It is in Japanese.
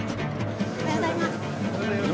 おはようございます